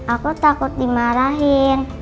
aku takut dimarahin